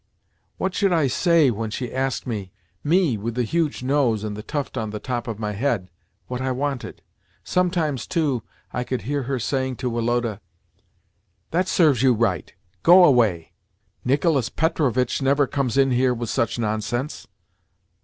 What should I say when she asked me—me with the huge nose and the tuft on the top of my head—what I wanted?" Sometimes, too, I could hear her saying to Woloda, "That serves you right! Go away! Nicolas Petrovitch never comes in here with such nonsense."